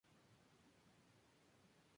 El arte al servicio del hombre y la naturaleza.